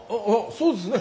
そうですね。